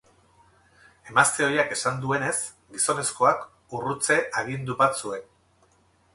Emazte ohiak esan duenez, gizonezkoak urrutze agindu bat zuen.